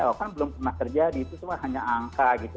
oh kan belum pernah terjadi itu semua hanya angka gitu